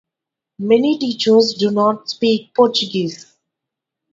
Many teachers do not speak Portuguese.